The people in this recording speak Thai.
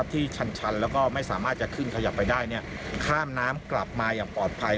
ที่ชันแล้วก็ไม่สามารถจะขึ้นขยับไปได้ข้ามน้ำกลับมาอย่างปลอดภัย